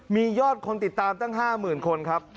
มียอดคนติดตามตั้ง๕๐๐๐คนครับ